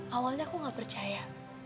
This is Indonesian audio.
awalnya aku gak percaya